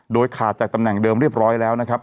โดยขาดจากตำแหน่งเดิมเรียบร้อยแล้วนะครับ